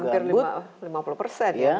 jadi hampir lima puluh persen ya